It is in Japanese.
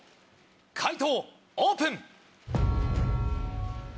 解答オープン！